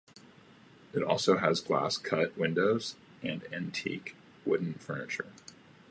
It also has glass cut windows and antique wooden furniture.